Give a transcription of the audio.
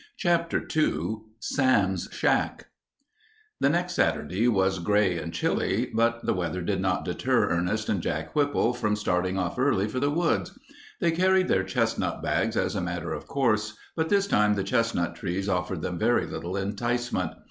CHAPTER II SAM'S SHACK The next Saturday was gray and chilly, but the weather did not deter Ernest and Jack Whipple from starting off early for the woods. They carried their chestnut bags as a matter of course, but this time the chestnut trees offered them very little enticement.